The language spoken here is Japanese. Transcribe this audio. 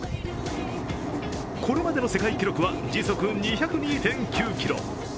これまでの世界記録は時速２０２．９キロ。